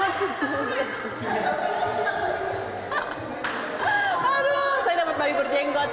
aduh saya dapat babi berjenggot